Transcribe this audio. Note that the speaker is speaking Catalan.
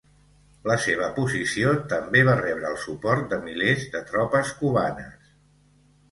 La seva posició també va rebre el suport de milers de tropes cubanes.